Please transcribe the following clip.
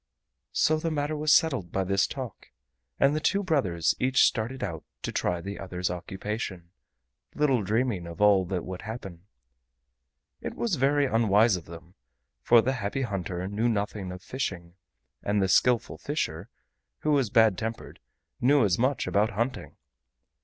So the matter was settled by this talk, and the two brothers each started out to try the other's occupation, little dreaming of all that would happen. It was very unwise of them, for the Happy Hunter knew nothing of fishing, and the Skillful Fisher, who was bad tempered, knew as much about hunting.